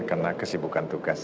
karena kesibukan tugas